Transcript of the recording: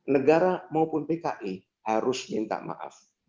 negara maupun pki harus minta maaf